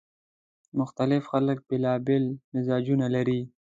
مختلف خلک بیلابېل مزاجونه لري